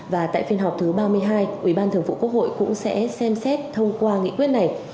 và tại phiên họp thứ ba mươi hai ủy ban thường vụ quốc hội cũng sẽ xem xét thông qua nghị quyết này